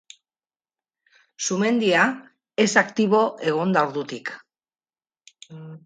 Sumendia, ez aktibo egon da ordutik.